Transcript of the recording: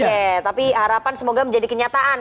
oke tapi harapan semoga menjadi kenyataan